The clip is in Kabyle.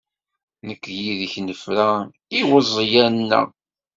Nekk-yid-k nefra iweẓla-nneɣ.